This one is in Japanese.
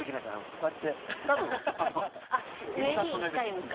こうやって多分林檎さんと同じです。